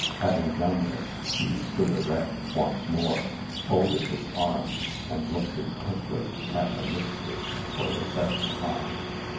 Having done this, he stood erect once more, folded his arms, and looked intently at the Mystery for the second time.